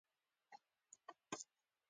دا پرزې باید د بس یا الوتکې له لارې راشي